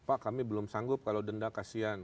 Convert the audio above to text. pak kami belum sanggup kalau denda kasihan